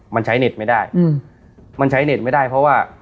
มันใช้เน็ตไม่ได้มันใช้เน็ตไม่ได้เพราะว่า